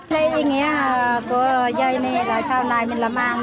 lễ cúng máng nước của dân làng